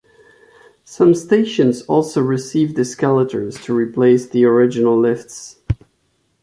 Some stations also received escalators to replace the original lifts.